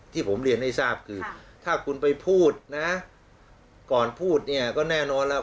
ที่ผมเรียนให้ทราบคือถ้าคุณไปพูดนะก่อนพูดเนี่ยก็แน่นอนแล้ว